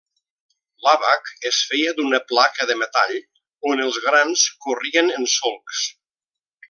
L'àbac es feia d'una placa de metall on els grans corrien en solcs.